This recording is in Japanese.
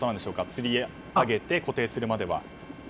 つり上げて固定するまでは。